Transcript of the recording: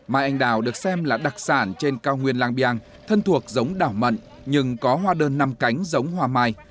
mai anh đào được xem là đặc sản trên cao nguyên lang biang thân thuộc giống đảo mận nhưng có hoa đơn năm cánh giống hoa mai